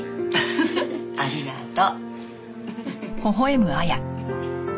フフフッありがとう。